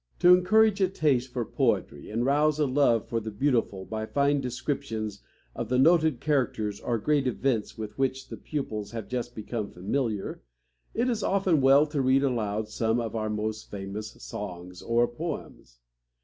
To encourage a taste for poetry and rouse a love for the beautiful by fine descriptions of the noted characters or great events with which the pupils have just become familiar, it is often well to read aloud some of our most famous songs or poems.